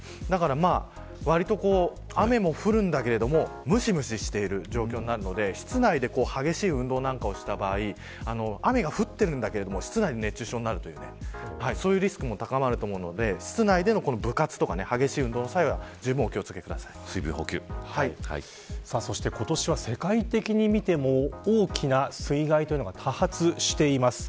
わりと雨も降るんだけどむしむししている状況になるので室内で激しい運動などをした場合雨が降っているんだけど室内で熱中症になるというリスクも高まると思うので室内での部活とか激しい運動の際はそして今年は世界的に見ても大きな水害が多発しています。